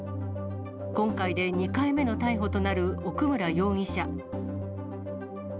今回で２回目の逮捕となる奥村容疑者。